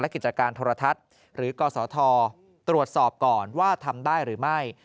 กิจการโทรทัศน์หรือกศธตรวจสอบก่อนว่าทำได้หรือไม่